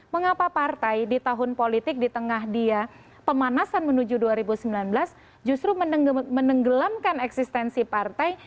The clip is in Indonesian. mengapa partai di tahun politik di tengah dia pemanasan menuju dua ribu sembilan belas justru menenggelamkan eksistensi partai